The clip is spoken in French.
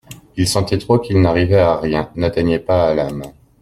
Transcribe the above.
Il sentait trop qu'il n'arrivait à rien, n'atteignait pas à l'âme.